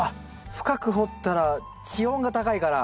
深く掘ったら地温が高いから。